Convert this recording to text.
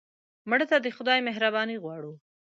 مړه ته د خدای مهرباني غوښتو